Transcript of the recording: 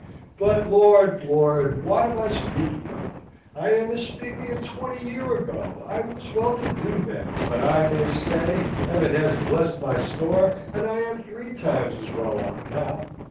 But Lord, Lord, what am I speaking of? I am aspeaking of twenty year ago. I was well to do then, but I may say Heaven has blessed my store, and I am three times as well off now.